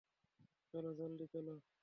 চলো জলদি চলো!